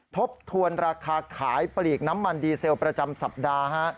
ทบทวนราคาขายปลีกน้ำมันดีเซลประจำสัปดาห์